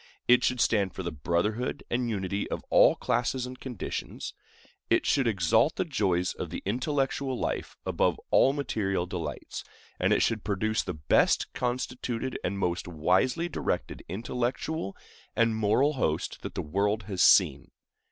It should stand for the brotherhood and unity of all classes and conditions; it should exalt the joys of the intellectual life above all material delights; and it should produce the best constituted and most wisely directed intellectual and moral host that the world has seen.